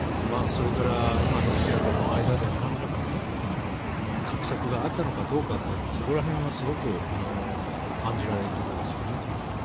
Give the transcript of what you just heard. それからロシアとの間で何らかの画策があったのかどうかそこら辺はすごく案じられるところですね。